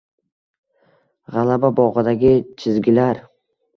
G‘alaba bog‘idagi chizgilar...